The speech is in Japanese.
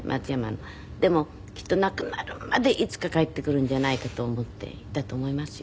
でもきっと亡くなるまでいつか帰って来るんじゃないかと思っていたと思いますよ。